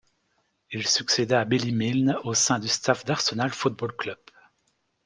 Il succéda à Billy Milne au sein du staff d'Arsenal Football Club.